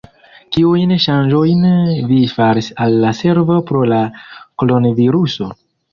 Kiujn ŝanĝojn vi faris al la servo pro la kronviruso?